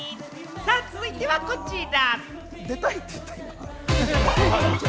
続いてはこちら。